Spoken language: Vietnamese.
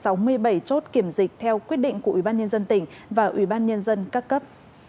các bệnh nhân đã được kiểm dịch theo quyết định của ủy ban nhân dân tỉnh và ủy ban nhân dân các cấp